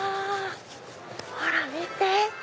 ほら見て！